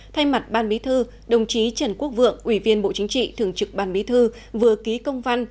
thay mặt ban bí thư đồng chí trần quốc vượng ủy viên bộ chính trị thường trực ban bí thư vừa ký công văn